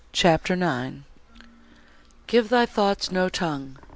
CHAPTER IX Give thy thoughts no tongue.